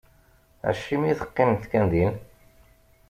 Acimi i teqqimemt kan din?